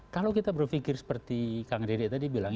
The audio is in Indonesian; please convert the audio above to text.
kalau kita berpikir seperti kang dede tadi bilang